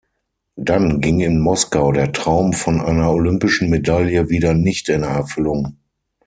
Dann ging in Moskau der Traum von einer olympischen Medaille wieder nicht in Erfüllung.